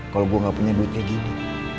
kalo gua gak punya duitnya gini